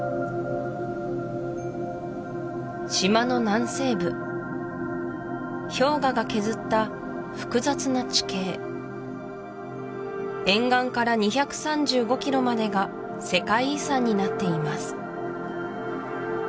島の南西部氷河が削った複雑な地形沿岸から２３５キロまでが世界遺産になっています